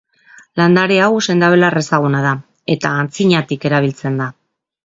Landare hau, sendabelar ezaguna da eta antzinatik erabiltzen da.